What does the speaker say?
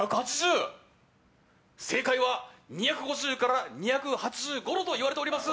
正解は、２５０から２８５度といわれております。